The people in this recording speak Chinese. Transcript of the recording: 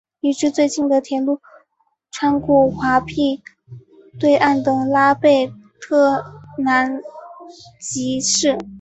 离之最近的铁路穿过鄂毕河对岸的拉贝特南吉市。